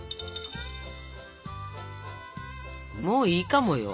もういいかもよ？